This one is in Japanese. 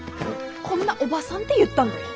「こんなおばさん」って言ったんだよ？